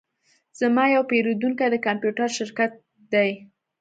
زما یو پیرودونکی د کمپیوټر شرکت دی